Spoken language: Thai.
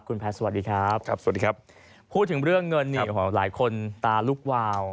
คุณแพทย์สวัสดีครับพูดถึงเรื่องเงินเนี่ยหลายคนตาลุกวาว